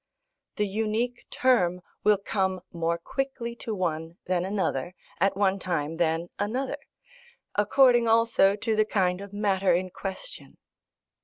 The unique term will come more quickly to one than another, at one time than another, according also to the kind of matter in question.